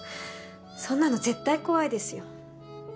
そんなの絶対怖いですよ